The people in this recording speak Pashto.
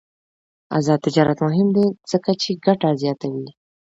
آزاد تجارت مهم دی ځکه چې ګټه زیاتوي.